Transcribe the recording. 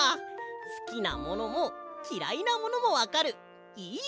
すきなものもきらいなものもわかるいい